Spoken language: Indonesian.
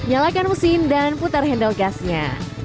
nyalakan mesin dan putar handle gasnya